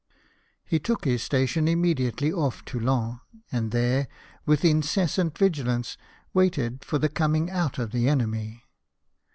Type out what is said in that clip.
He took his station immediately off Toulon, and there, with incessant vigilance, waited for the coming out of the enemy.